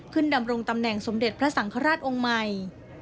ดำรงตำแหน่งสมเด็จพระสังฆราชองค์ใหม่